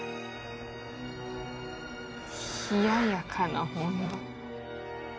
「冷ややかな本田」